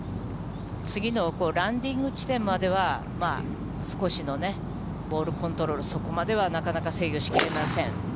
次のランディング地点までは、少しのね、ボールコントロール、そこまではなかなか制御しきれません。